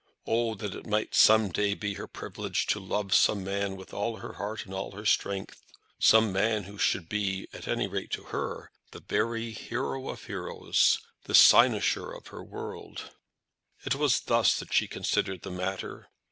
Oh, that it might some day be her privilege to love some man with all her heart and all her strength, some man who should be, at any rate to her, the very hero of heroes, the cynosure of her world! It was thus that she considered the matter.